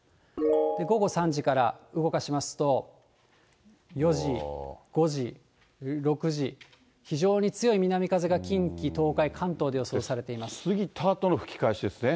午後３時から動かしますと、４時、５時、６時、非常に強い南風が近畿、東海、過ぎたあとの吹き返しですね。